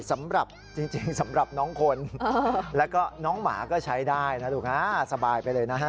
จริงสำหรับน้องคนแล้วก็น้องหมาก็ใช้ได้นะสบายไปเลย